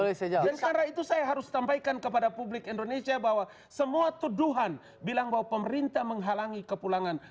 dan karena itu saya harus sampaikan kepada publik indonesia bahwa semua tuduhan bilang bahwa pemerintah menghalangi kepulangan